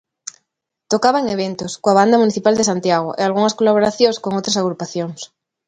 Tocaba en eventos, coa Banda Municipal de Santiago e algunhas colaboracións con outras agrupacións.